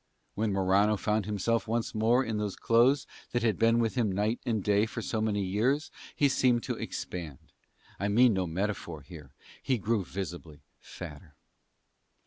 When Morano found himself once more in those clothes that had been with him night and day for so many years he seemed to expand; I mean no metaphor here; he grew visibly fatter.